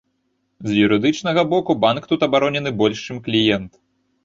З юрыдычнага боку банк тут абаронены больш, чым кліент.